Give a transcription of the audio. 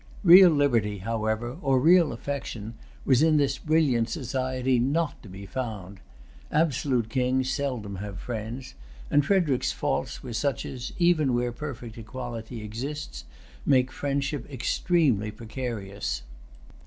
Real liberty, however, or real affection, was in this brilliant society not to be found. Absolute kings seldom have friends; and Frederic's faults were such as, even where perfect equality exists, make friendship exceedingly precarious.